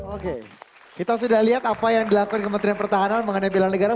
oke kita sudah lihat apa yang dilakukan kementerian pertahanan mengenai bela negara